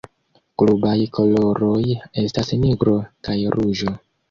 Klubaj koloroj estas nigro kaj ruĝo.